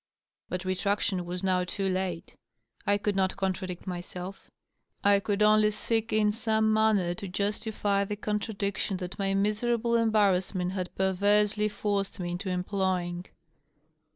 But retraction was now too late. I could not contradict myself; I could only seek in some manner to justify the contradiction that my miserable embarrassment had per versely forced me into employing.